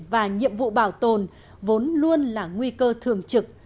và nhiệm vụ bảo tồn vốn luôn là nguy cơ thường trực